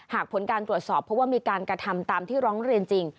ผลการตรวจสอบเพราะว่ามีการกระทำตามที่ร้องเรียนจริง